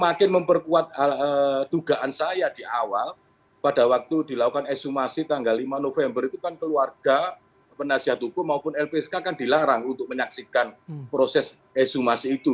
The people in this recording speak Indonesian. makin memperkuat dugaan saya di awal pada waktu dilakukan ekshumasi tanggal lima november itu kan keluarga penasihat hukum maupun lpsk kan dilarang untuk menyaksikan proses esumasi itu